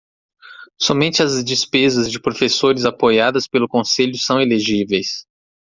Somente as despesas de professores apoiadas pelos conselhos são elegíveis.